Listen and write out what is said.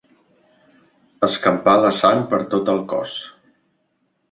Escampar la sang per tot el cos.